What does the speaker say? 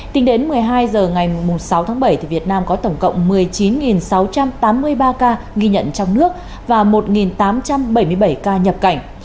tính đến một mươi hai h ngày sáu tháng bảy việt nam có tổng cộng một mươi chín sáu trăm tám mươi ba ca ghi nhận trong nước và một tám trăm bảy mươi bảy ca nhập cảnh